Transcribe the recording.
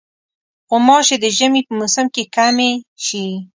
غوماشې د ژمي په موسم کې کمې شي.